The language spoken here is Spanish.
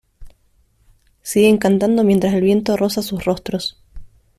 Siguen cantando mientras el viento roza sus rostros.